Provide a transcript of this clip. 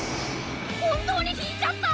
本当に引いちゃった！？